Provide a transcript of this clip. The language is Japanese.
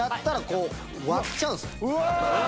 うわ！